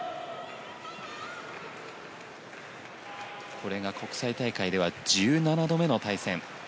これが国際大会では１７度目の対戦。